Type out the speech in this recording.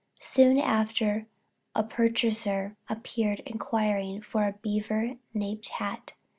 Soon after a purchaser appeared inquiring for a beaver napped hat.